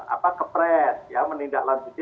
apa kepres ya menindaklanjuti